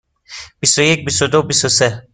بیست و یک، بیست و دو، بیست و سه.